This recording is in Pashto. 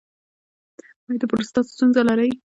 ایا د پروستات ستونزه لرئ؟